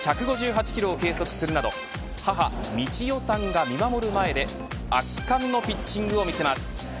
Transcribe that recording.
初回から今日最速の１５８キロを計測するなど母、美智代さんが見守る前で圧巻のピッチングを見せます。